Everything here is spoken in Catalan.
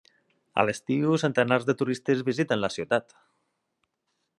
A l'estiu centenars de turistes visiten la ciutat.